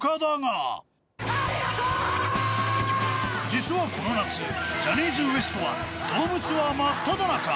実はこの夏、ジャニーズＷＥＳＴはドームツアー真っただ中。